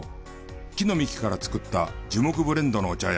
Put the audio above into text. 木の幹から作った樹木ブレンドのお茶や。